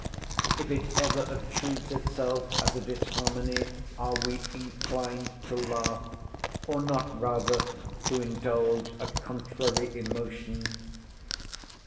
If it ever obtrudes itself as a disharmony, are we inclined to laugh; or not, rather, to indulge a contrary emotion?